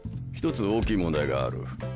一つ大きい問題がある。